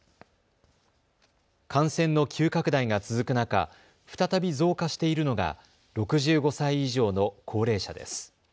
感染の急拡大が続く中、再び増加しているのが６５歳以上の高齢者です。